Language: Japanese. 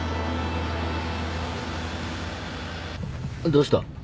どうした？